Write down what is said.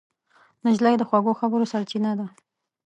نجلۍ د خوږو خبرو سرچینه ده.